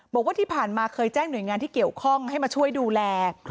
บอกว่าที่ผ่านมาเคยแจ้งหน่วยงานที่เกี่ยวข้องให้มาช่วยดูแล